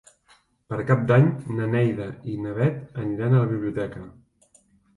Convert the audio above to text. Per Cap d'Any na Neida i na Bet aniran a la biblioteca.